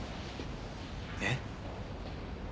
えっ？